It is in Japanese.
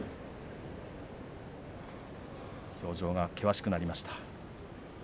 表情が険しくなりました。